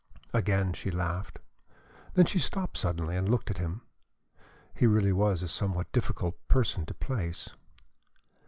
Again she laughed. Then she stopped suddenly and looked at him. He really was a somewhat difficult person to place.